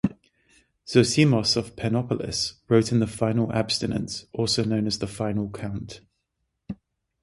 Zosimos of Panopolis wrote in the "Final Abstinence" (also known as the "Final Count").